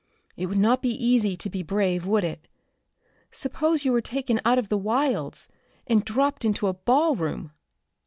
It would not be easy to be brave, would it? Suppose you were taken out of the wilds and dropped into a ballroom?"